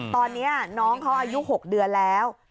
ตอนนี้น้องเขาอายุ๖เดือนแล้ว